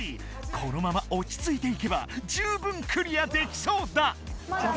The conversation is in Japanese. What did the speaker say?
このままおちついていけば十分クリアできそうだ！